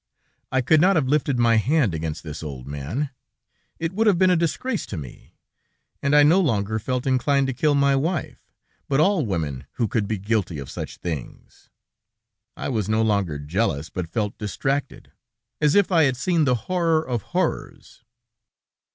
I could not have lifted my hand against this old man; it would have been a disgrace to me, and I no longer felt inclined to kill my wife, but all women who could be guilty of such things! I was no longer jealous, but felt distracted, as if I had seen the horror of horrors!